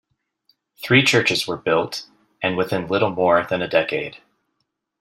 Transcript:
Three churches were built, and within little more than a decade.